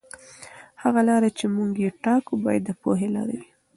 هغه لاره چې موږ یې ټاکو باید د پوهې لاره وي.